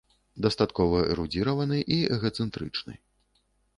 Дастаткова эрудзіраваны і эгацэнтрычны.